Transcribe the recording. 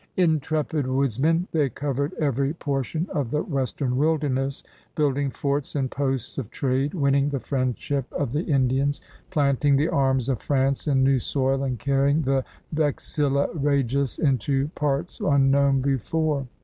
88 CRUSADERS OF NEW FRANCE Intrepid woodsmen, they covered eveiy portion of the western wilderness, building forts and posts of trade, winning the friendship of the Indians, planting the arms of France in new soil and carrying the VexiUa Regis into parts unknown before.